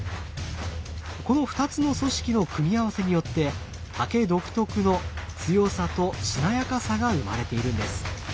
この２つの組織の組み合わせによって竹独特の強さとしなやかさが生まれているんです。